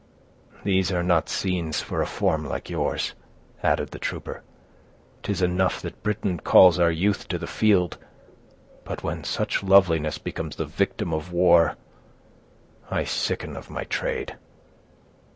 "These are not scenes for a form like yours," added the trooper. "'Tis enough that Britain calls our youth to the field; but when such loveliness becomes the victim of war, I sicken of my trade."